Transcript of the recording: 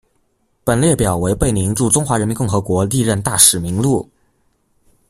本列表为贝宁驻中华人民共和国历任大使名录。